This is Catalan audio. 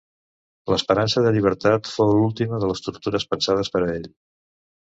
L'esperança de llibertat fou l'última de les tortures pensades per a ell.